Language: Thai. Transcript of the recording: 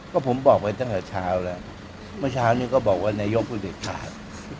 ก็ผมบอกไปตั้งแต่เช้าแล้วเมื่อเช้านี้ก็บอกว่านายกพูดเด็ดขาด